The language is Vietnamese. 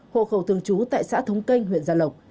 hộ khẩu thường trú tại xã thống canh huyện gia lộc